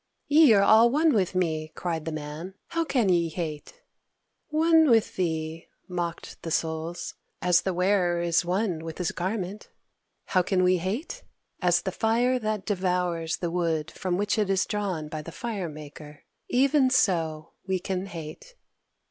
"Ye are all one with me!" cried the Man, "how can ye hate?" "One with thee," mocked the Souls, "as the wearer is one with his garment!... How can we hate? As the fire that devours the wood from which it is drawn by the fire maker even so we can hate."